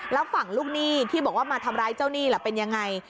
แล้วฝั่งลูกหนี้ที่บอกว่ามาทำร้ายเจ้าหนี้ล่ะเป็นยังไง